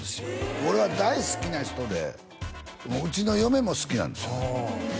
俺は大好きな人でうちの嫁も好きなんですよね